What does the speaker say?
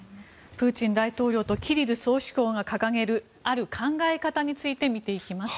プーチン大統領とキリル総主教が掲げるある考え方について見ていきます。